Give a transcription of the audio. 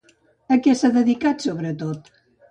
A què s'ha dedicat sobretot?